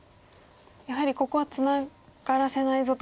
やはりここはツナがらせないぞと。